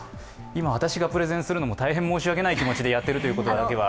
今、私がプレゼンするのも大変申し訳ない気持ちでやっていることだけは。